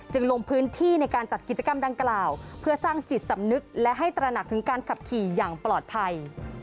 ลงพื้นที่ในการจัดกิจกรรมดังกล่าวเพื่อสร้างจิตสำนึกและให้ตระหนักถึงการขับขี่อย่างปลอดภัย